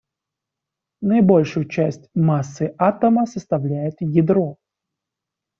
Наибольшую часть массы атома составляет ядро.